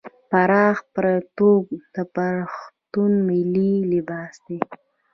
پراخ پرتوګ د پښتنو ملي لباس دی.